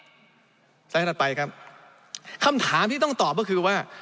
ไลด์ถัดไปครับคำถามที่ต้องตอบก็คือว่า